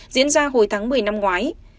diễn ra hồi tháng một mươi năm ngoái